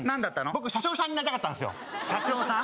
僕車掌さんになりたかったんです社長さん？